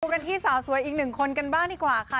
กันที่สาวสวยอีกหนึ่งคนกันบ้างดีกว่าค่ะ